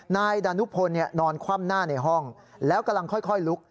นายดานุพลนอนคว่ำหน้าในห้องแล้วกำลังค่อยลุก